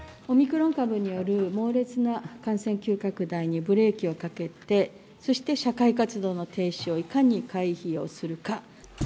オミクロン株による猛烈な感染急拡大にブレーキをかけて、そして社会活動の停止をいかに回避をするか。